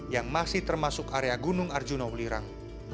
yang masih termasuk area gunung arjuna welirang